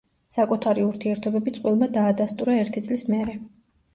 საკუთარი ურთიერთობები წყვილმა დაადასტურა ერთი წლის მერე.